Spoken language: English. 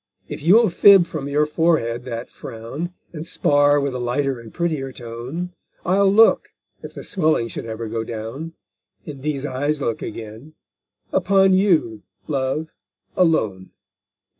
if you'll fib from your forehead that frown, And spar with a lighter and prettier tone; I'll look, if the swelling should ever go down, And these eyes look again, upon you, love, alone!